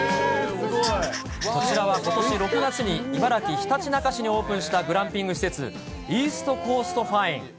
こちらはことし６月に、茨城・ひたちなか市にオープンしたグランピング施設、イーストコーストファイン。